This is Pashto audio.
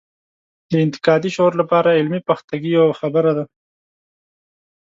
د انتقادي شعور لپاره علمي پختګي یوه خبره ده.